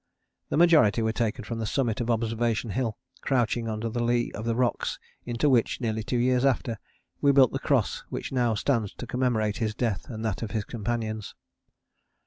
The majority were taken from the summit of Observation Hill, crouching under the lee of the rocks into which, nearly two years after, we built the Cross which now stands to commemorate his death and that of his companions.